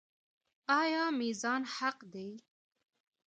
آیا میزان حق دی؟